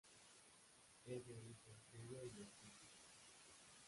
Es de origen criollo y mestizo.